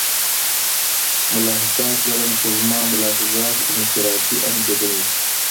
ملاحظات لرم خو زما ملاحظات انفرادي انګېرنې دي.